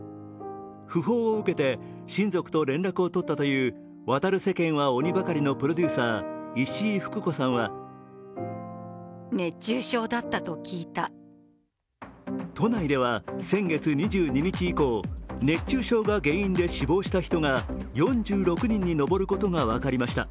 訃報を受けて親族と連絡を取ったという「渡る世間は鬼ばかり」のプロデューサー、石井ふく子さんは都内では先月２２日以降熱中症が原因で死亡した人が４６人に上ることが分かりました。